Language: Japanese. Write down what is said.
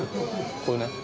これね。